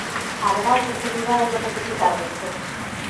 Haberá oportunidade de rectificar despois.